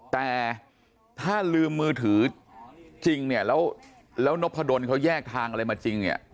แต่ถ้าลืมมือถือจริงเนี่ยแล้วนพดลเขาแยกทางอะไรมาจริงเนี่ย